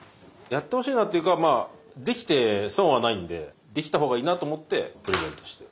やってほしいなというかまあできて損はないんでできた方がいいなと思ってプレゼントして。